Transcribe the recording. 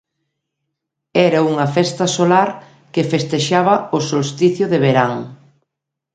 Era unha festa solar que festexaba o solsticio de verán.